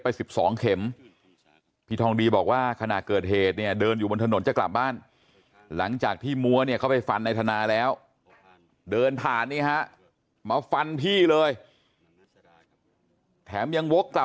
ผมก็ว่าน่าจะเสียบนะครับ